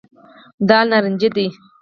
دال نارنجي دي.